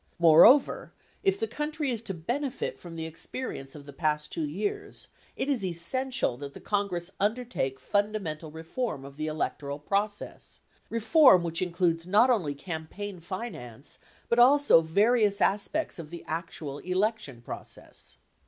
Moreover, if the country is to bene fit from the experience of the past 2 years, it is essential that the Con gress undertake fundamental reform of the electoral process — reform which includes not only campaign finance, but also various aspects of the actual election process.